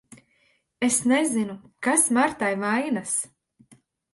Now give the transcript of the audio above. Es nezinu, kas Martai vainas.